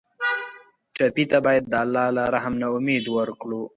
ټپي ته باید د الله له رحم نه امید ورکړو.